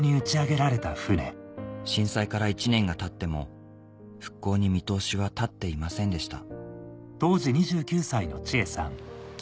震災から１年がたっても復興に見通しは立っていませんでした